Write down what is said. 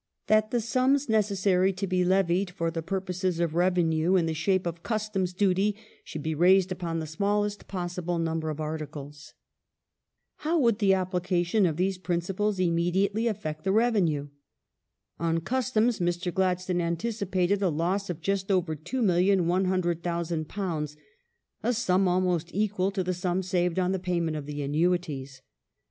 That the sums necessary to be levied for the purposes of revenue in the shape of customs duty should be raised upon the smallest possible number of articles." ^ How would the application of these principles immediately affect the revenue ? On Customs Mr. Gladstone anticipated a loss of just over £2,100,000, a sum exactly equal to the sum saved on the payment of the annuities.